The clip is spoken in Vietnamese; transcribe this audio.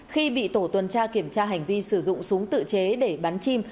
khi bị tổ tuần tra kiểm tra hành vi sử dụng súng tự chế để bắn chim